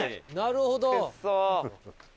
なるほど。